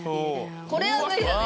これは無理だね。